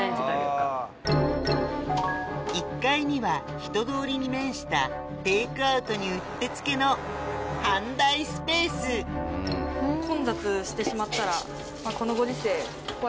１階には人通りに面したテイクアウトにうってつけの販売スペース行きます。